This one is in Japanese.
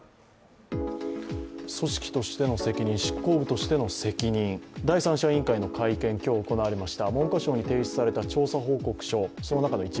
組織としての責任、執行部としての責任、第三者委員会の会見が今日行われました。